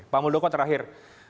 pak muldoko terakhir